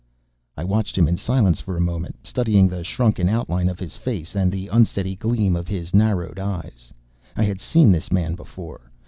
I watched him in silence for a moment, studying the shrunken outline of his face and the unsteady gleam of his narrowed eyes. I had seen this man before.